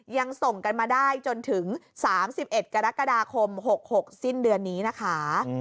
ยังส่งกันมาได้จนถึง๓๑กรกฎาคม๖๖สิ้นเดือนนี้นะคะ